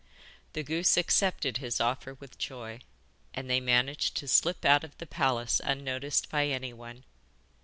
The goose accepted his offer with joy, and they managed to slip out of the palace unnoticed by anyone.